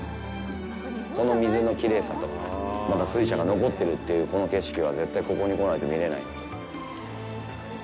この水のきれいさとまだ水車が残ってるという、この景色は絶対ここに来ないと見られない。